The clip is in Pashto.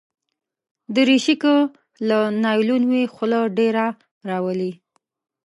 دریشي که له نایلون وي، خوله ډېره راولي.